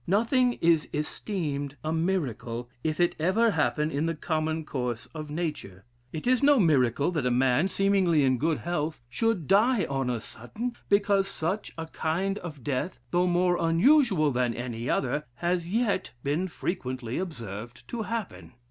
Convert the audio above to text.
Nothing is esteemed a miracle, if it ever happen in the common course of nature. It is no miracle that a man, seemingly in good health, should die on a sudden; because such a kind of death, though more unusual than any other, has yet been frequently observed to happen.